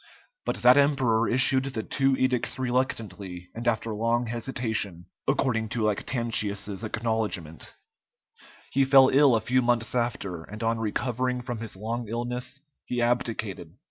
But that emperor issued the two edicts reluctantly and after long hesitation, according to Lactantius's acknowledgment: he fell ill a few months after, and on recovering from his long illness he abdicated.